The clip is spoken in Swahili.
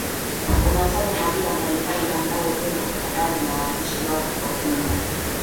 unataja madhila mbalimbali ambayo vyombo vya habari na waandishi wake kwa ujumla